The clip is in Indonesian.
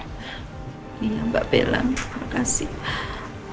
iya mbak bella terima kasih